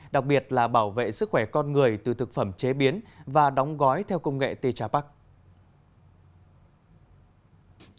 đặc biệt là bảo vệ sức khỏe con người từ thực phẩm chế biến và đóng gói theo công nghệ t chapac